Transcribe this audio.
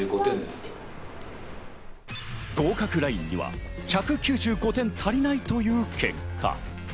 合格ラインには１９５点足りないという結果。